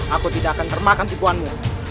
aku tidak akan termakan tipuanmu